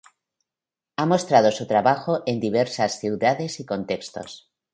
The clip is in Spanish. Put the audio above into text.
Ha mostrado su trabajo en diversas ciudades y contextos.